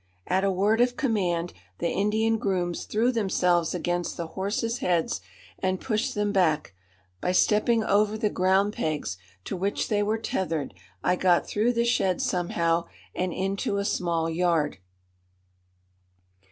At a word of command the Indian grooms threw themselves against the horses' heads and pushed them back. By stepping over the ground pegs to which they were tethered I got through the shed somehow and into a small yard.